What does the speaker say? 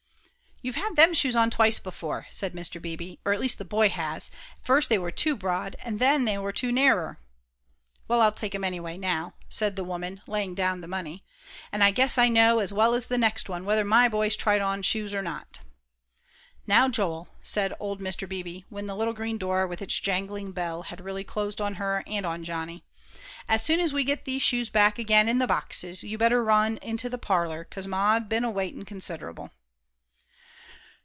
"You've had them shoes on twice before," said Mr. Beebe, "or at least the boy has, and first they were too broad, and then they were too narrer." "Well, I'll take 'em, anyway, now," said the woman, laying down the money, "and I guess I know, as well as the next one, whether my boy's tried on shoes or not." "Now, Joel," said old Mr. Beebe, when the little green door with its jangling bell had really closed on her and on Johnny, "as soon as we get these shoes back again in the boxes, you better run into th' parler, 'cause Ma's been a waitin' considerable."